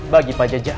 bagi pak jajah